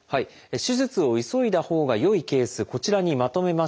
手術を急いだほうがよいケースこちらにまとめました。